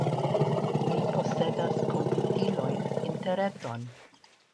Ni posedas komputilojn, interreton.